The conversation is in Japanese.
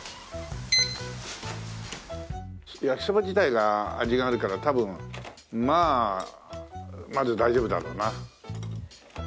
焼きそば自体が味があるから多分まあまず大丈夫だろうな。